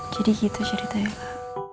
jadi gitu cerita ya pak